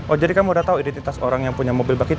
oh jadi kamu udah tahu identitas orang yang punya mobil bukit